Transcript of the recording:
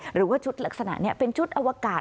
หรือว่าชุดลักษณะนี้เป็นชุดอวกาศ